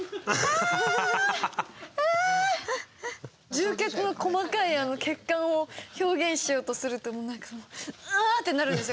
充血の細かい血管を表現しようとするとなんかもううあ！ってなるんですよ。